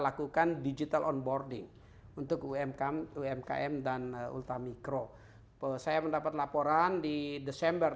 lakukan digital onboarding untuk umkm umkm dan ultramikro saya mendapat laporan di desember